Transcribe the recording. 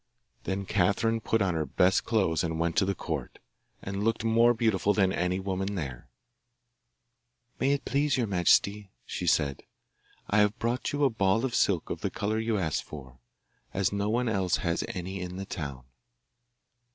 Then Catherine put on her best clothes and went to the court, and looked more beautiful than any woman there. 'May it please your majesty,' she said, 'I have brought you a ball of silk of the colour you asked for, as no one else has any in the town.